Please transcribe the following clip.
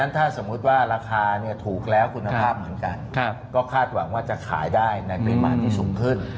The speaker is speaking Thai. ถ้าสมมุติว่าราคาถูกแล้วคุณภาพเหมือนกันก็คาดหวังว่าจะขายได้ในปริมาณที่สูงขึ้น